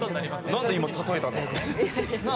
なんで今、例えたんですか？